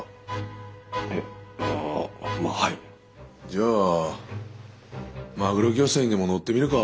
じゃあマグロ漁船にでも乗ってみるか。